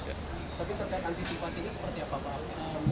tapi terkait antisipasi ini seperti apa pak